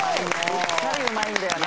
やっぱりうまいんだよな。